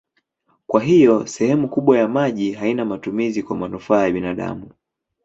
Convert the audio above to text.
Kwa hiyo sehemu kubwa ya maji haina matumizi kwa manufaa ya binadamu.